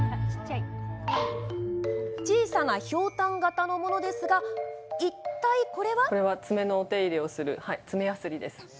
小さなひょうたん形のものですがいったい、これは。